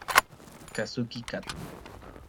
Kazuki Katō